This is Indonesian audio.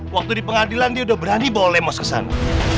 waktu di pengadilan dia udah berani bawa lemos kesana